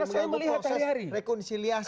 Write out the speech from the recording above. seberapa mengganggu proses rekonseliasi